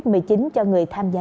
cho người tham gia giao thông